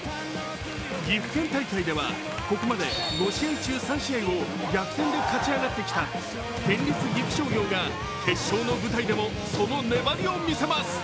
岐阜県大会ではここまで５試合中３試合を逆転で勝ち上がってきた県立岐阜商業が決勝の舞台でも、その粘りを見せます。